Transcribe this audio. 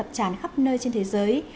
lập tràn khắp nơi trên thế giới